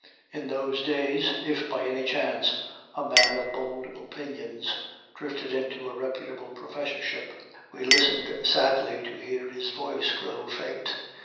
In those days, if by any chance a man of bold opinions drifted into a reputable professorship, we listened sadly to hear his voice grow faint.